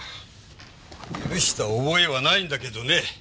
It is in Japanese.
許した覚えはないんだけどね。